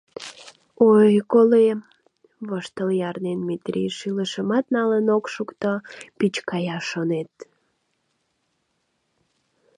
Ой, колем... — воштыл ярнен, Метрий шӱлышымат налын ок шукто, пичкая, шонет.